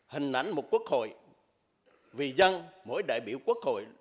hình ảnh một quốc hội vì dân mỗi đại biểu quốc hội